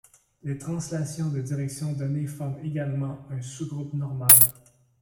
Les translations de direction donnée forment également un sous-groupe normal.